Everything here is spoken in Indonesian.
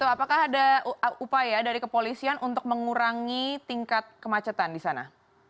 apakah ada upaya dari kepolisian untuk mengurangi tingkat kemacetan di sana